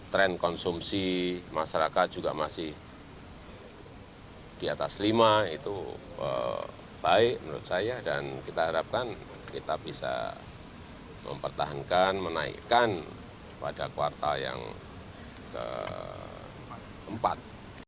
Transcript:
tren konsumsi masyarakat juga masih di atas lima itu baik menurut saya dan kita harapkan kita bisa mempertahankan menaikkan pada kuartal yang keempat